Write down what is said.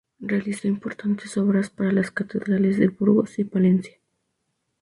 Realizó importantes obras para las catedrales de Burgos y Palencia.